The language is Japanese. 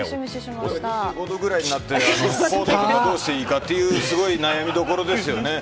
２５度くらいになって服装はどうしていいかっていうのがすごい悩みどころですよね。